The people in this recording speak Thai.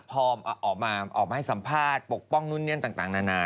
พอออกมาให้สัมภาษณ์ปกป้องนู่นนี่ต่างนานา